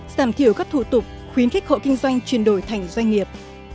giảm thiểu các thủ tục khuyến khích hộ kinh doanh chuyển đổi thành doanh nghiệp